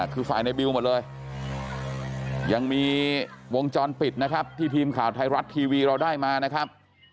คือฝ่ายในบิวหมดเลยยังมีวงจรปิดนะครับที่ทีมข่าวไทยรัฐทีวีเราได้มานะครับ